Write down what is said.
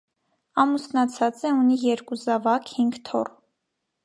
Ամուսնացած է, ունի երկու զավակ, հինգ թոռ։